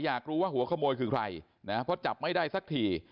อยากรู้ว่าหัวขโมยคือใครนะเพราะจับไม่ได้สักที